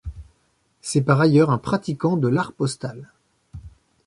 C'est par ailleurs un pratiquant de l'art postal.